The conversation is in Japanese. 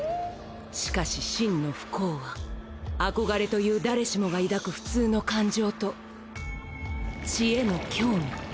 しかし真の不幸は憧れという誰しもが抱く普通の感情と血への興味。